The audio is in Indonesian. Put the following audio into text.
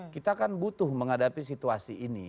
kita kan butuh menghadapi situasi ini